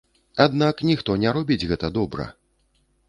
Аднак ніхто не робіць гэта добра!